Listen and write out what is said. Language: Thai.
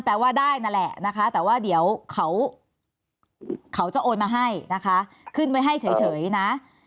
ว่าได้นั่นแหละนะคะแต่ว่าเดี๋ยวเขาจะโอนมาให้นะคะขึ้นไว้ให้เฉยนะ